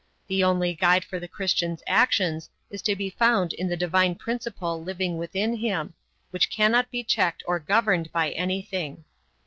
The only guide for the Christian's actions is to be found in the divine principle living within him, which cannot be checked or governed by anything.